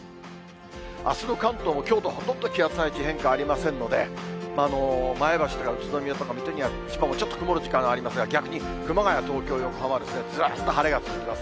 あすの関東もきょうとほとんど気圧配置、変化ありませんので、前橋とか宇都宮とか水戸、千葉もちょっと曇る時間ありますが、逆に熊谷、東京、横浜はずっと晴れが続きます。